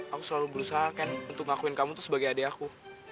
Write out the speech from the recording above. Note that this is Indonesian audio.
aku selalu berusaha kan untuk ngakuin kamu tuh sebagai adik aku